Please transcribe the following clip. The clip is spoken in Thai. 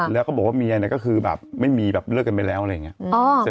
แล้วก็บอกว่าเมียเนี่ยก็คือแบบไม่มีแบบเลิกกันไปแล้วอะไรอย่างนี้